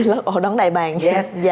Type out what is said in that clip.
lót ổ đón đại bàng